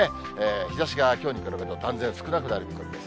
日ざしがきょうに比べると断然少なくなる見込みです。